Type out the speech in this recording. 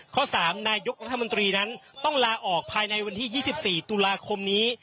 ข้อ๓นายกรัฐมนตรีนั้นต้องลาออกภายในวันที่๒๔ตุลาคมนี้